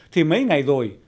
thì mấy ngày rồi